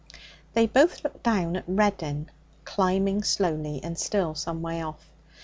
They both looked down at Reddin climbing slowly and still some way off.